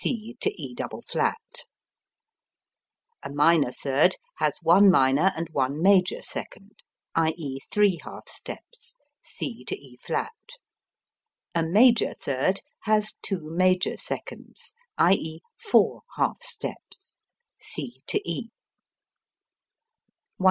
C E[double flat]. A minor third has one minor and one major second (i.e., three half steps). C E[flat]. A major third has two major seconds (i.e., four half steps). C E. 188.